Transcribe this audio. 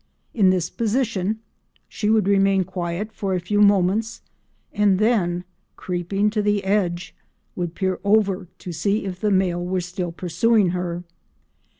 In this position she would remain quiet for a few moments and then, creeping to the edge, would peer over to see if the male were still pursuing her.